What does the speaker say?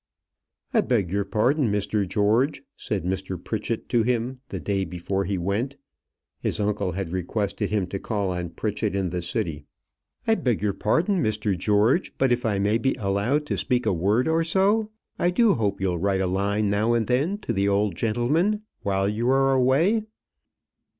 "I beg your pardon, Mr. George," said Mr. Pritchett to him the day before he went (his uncle had requested him to call on Pritchett in the city) "I beg your pardon, Mr. George, but if I may be allowed to speak a word or so, I do hope you'll write a line now and then to the old gentleman while you are away."